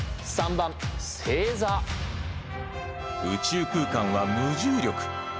宇宙空間は無重力。